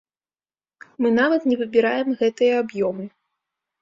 Мы нават не выбіраем гэтыя аб'ёмы.